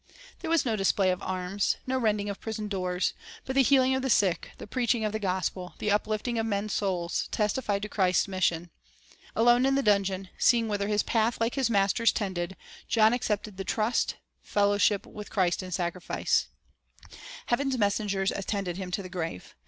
There was no display of arms, no rending of prison doors; but the healing of the sick, the preaching of the gospel, the uplifting of men's souls, testified to Christ's mission. Alone in the dungeon, seeing whither his path, like Fellowship in Sacrifice his Master's, tended, John accepted the trust, — fellow ship with Christ in sacrifice. Heaven's messengers attended him to the grave.